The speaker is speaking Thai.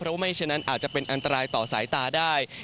เพราะไม่ฉะนั้นอาจจะเป็นอันตรายต่อสายตาได้